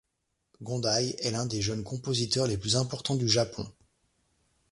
Gondai est l'un des jeunes compositeurs les plus importants du Japon.